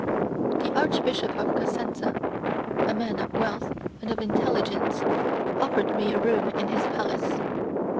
The Archbishop of Cosenza, a man of wealth and of intelligence, offered me a room in his palace.